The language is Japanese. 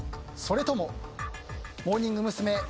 それともモーニング娘。